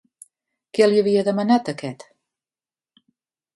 Què li havia demanat aquest?